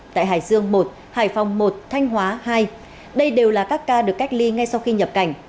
tại hải dương một hải phòng một thanh hóa hai đây đều là các ca được cách ly ngay sau khi nhập cảnh